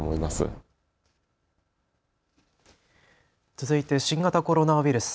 続いて新型コロナウイルス。